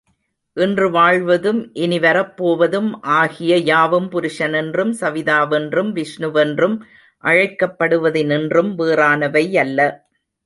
இன்று வாழ்வதும் இனி வரப்போவதும் ஆகிய யாவும் புருஷனென்றும் சவிதா வென்றும் விஷ்ணு வென்றும் அழைக்கப்படுவதினின்றும் வேறானவை அல்ல.